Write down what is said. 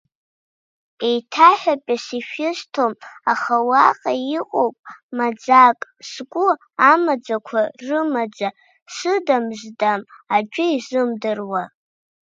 Еиҭаҳәатәыс ишәысҭом, аха уаҟа иҟоуп маӡак сгәы амаӡақәа рымаӡа сыдамздам аӡәы изымдыруа.